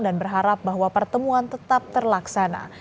dan berharap bahwa pertemuan tetap terlaksana